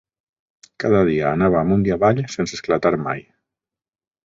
Cada dia anava amunt i avall sense esclatar mai.